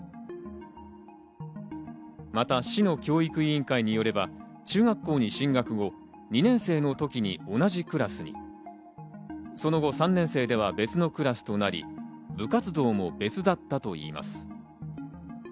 また市の教育委員会によれば、中学校に進学後、２年生の時に同じクラスに、その後、３年生では別のクラスとなり、部活動も別だったといいます。